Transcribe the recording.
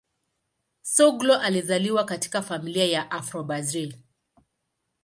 Soglo alizaliwa katika familia ya Afro-Brazil.